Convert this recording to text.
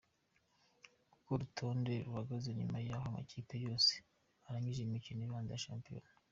Uko urutonde ruhagaze nyuma yaho amakipe yose arangije imikino ibanza ya shampiyona.